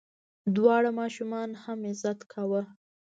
د واړه ماشوم هم عزت کوه.